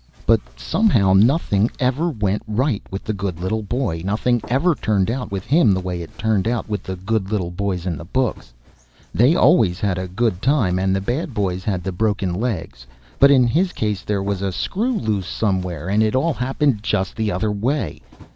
But somehow nothing ever went right with the good little boy; nothing ever turned out with him the way it turned out with the good little boys in the books. They always had a good time, and the bad boys had the broken legs; but in his case there was a screw loose somewhere, and it all happened just the other way.